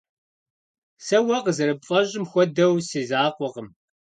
Сэ, уэ къызэрыпфӀэщӀым хуэдэу, си закъуэкъым.